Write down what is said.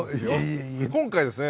今回ですね